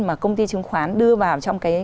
mà công ty trứng khoán đưa vào trong